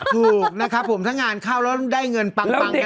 ถูกนะครับผมถ้างานเข้าแล้วได้เงินปัง